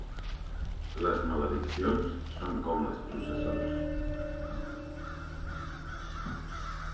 Les malediccions són com les processons.